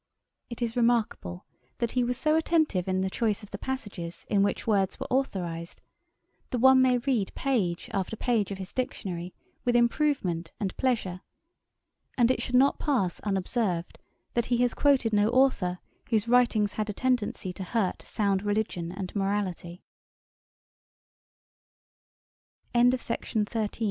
It is remarkable, that he was so attentive in the choice of the passages in which words were authorised, that one may read page after page of his Dictionary with improvement and pleasure; and it should not pass unobserved, that he has quoted no authour whose writings had a tendency to hurt sound religion and morality. The necessary expe